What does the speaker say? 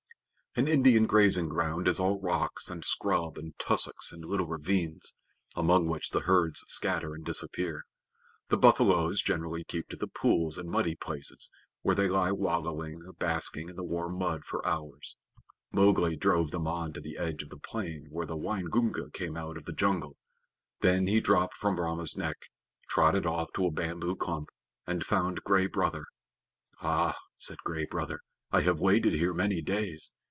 An Indian grazing ground is all rocks and scrub and tussocks and little ravines, among which the herds scatter and disappear. The buffaloes generally keep to the pools and muddy places, where they lie wallowing or basking in the warm mud for hours. Mowgli drove them on to the edge of the plain where the Waingunga came out of the jungle; then he dropped from Rama's neck, trotted off to a bamboo clump, and found Gray Brother. "Ah," said Gray Brother, "I have waited here very many days.